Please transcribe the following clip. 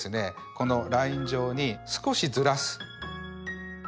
このライン上に少しずらす。